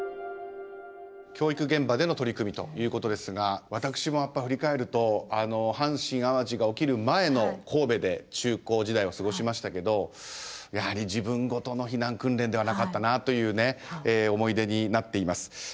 教育現場での取り組みということですが私も振り返ると阪神淡路が起きる前の神戸で中高時代を過ごしましたけどやはり自分ごとの避難訓練ではなかったなという思い出になっています。